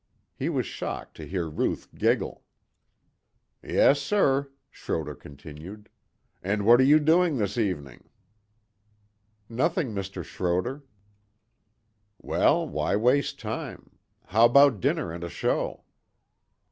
He was shocked to hear Ruth giggle. "Yes sir," Schroder continued. "And what are you doing this evening?" "Nothing, Mr. Schroder." "Well, why waste time? How about dinner and a show?"